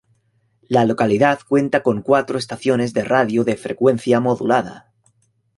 La localidad cuenta con cuatro Estaciones de Radio de frecuencia modulada.